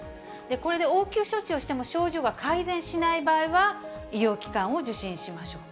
これで応急処置をしても症状が改善しない場合は、医療機関を受診しましょうと。